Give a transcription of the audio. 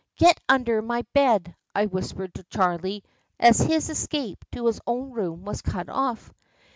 "Get under my bed!" I whispered to Charley, as his escape to his own room was cut off.